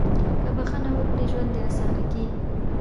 • که بښنه وکړې، ژوند دې اسانه کېږي.